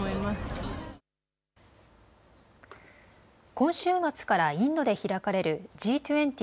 今週末からインドで開かれるＧ２０・